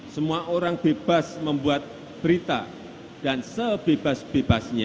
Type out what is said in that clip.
semua orang bebas membuat berita dan sebebas bebasnya